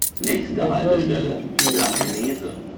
It has no reason to fear the truth.